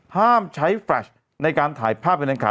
ห้ามใช้แฟรชในการถ่ายภาพแบบนั้นค่ะ